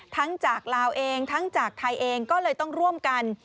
จากลาวเองทั้งจากไทยเองก็เลยต้องร่วมกัน